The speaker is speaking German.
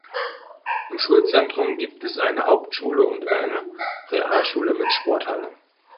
Im Schulzentrum gibt es eine Hauptschule und eine Realschule mit Sporthalle.